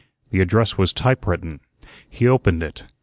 The address was typewritten. He opened it.